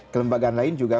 kelembagaan lain juga